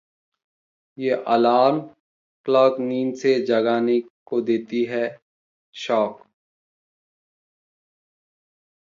ये alarm clock नींद से जगाने को देती है शॉक